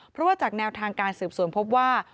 เพราะว่าจากแนวทางการสืบสวนพบว่า